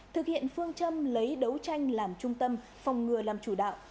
thực hiện phương châm lấy đấu tranh làm trung tâm phòng ngừa làm chủ đạo